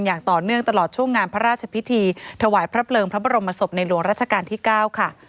อย่างต่อเนื่องตลอดช่วงงานพระราชพิธีถวายพระเพลิงพระบรมศพในหลวงราชการที่๙ค่ะ